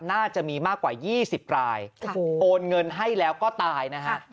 น่าจะมีมากกว่า๒๐รายโอนเงินให้แล้วก็ตายนะฮะ